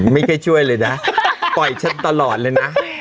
ช่วยเลยนะปล่อยฉันตลอดเลยนะ